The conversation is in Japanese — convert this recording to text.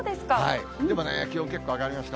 でもね、気温結構上がりました。